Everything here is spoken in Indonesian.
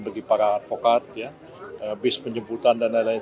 bagi para advokat bis penjemputan dan lain lain